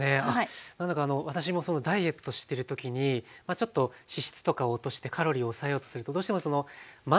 何だか私もダイエットしてる時にちょっと脂質とか落としてカロリーを抑えようとするとどうしても満足感がちょっと足りなくなるじゃないですか。